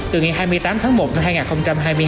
từ ngày hai mươi tám tháng một đến hai nghìn hai mươi hai